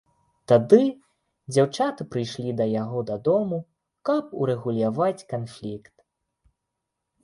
Тады дзяўчаты прыйшлі да яго дадому, каб урэгуляваць канфлікт.